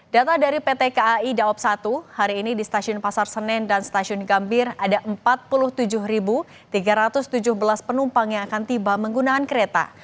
data dari pt kai daob satu hari ini di stasiun pasar senen dan stasiun gambir ada empat puluh tujuh tiga ratus tujuh belas penumpang yang akan tiba menggunakan kereta